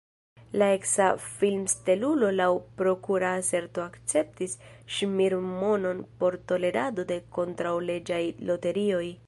La eksa filmstelulo laŭ prokurora aserto akceptis ŝmirmonon por tolerado de kontraŭleĝaj loterioj.